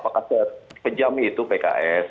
apakah terpejam itu pks